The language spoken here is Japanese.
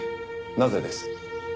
なぜです？